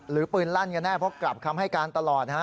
หรือปืนลั่นกันแน่เพราะกลับคำให้การตลอด